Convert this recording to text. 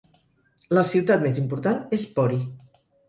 La ciutat més important és Pori.